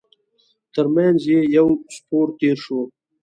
تر مينځ يې يو سپور تېر شو.